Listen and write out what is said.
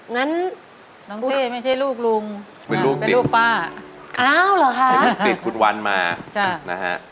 งั้นน้องเต้ไม่ใช่ลูกลุงเป็นลูกป้าอ้าวเหรอคะติดคุณวันมานะฮะ